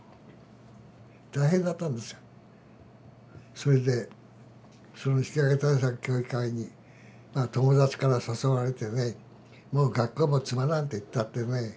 それで引揚対策協議会に友達から誘われてねもう学校もつまらん行ったってね。